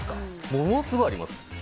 ものすごいあります。